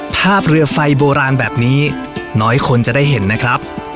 ภาพเรือไฟโบราณแบบนี้น้อยคนจะได้เห็นนะครับ